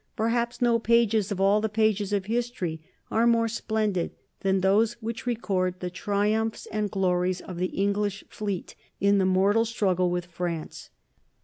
Perhaps no pages of all the pages of history are more splendid than those which record the triumphs and the glories of the English fleet in the mortal struggle with France.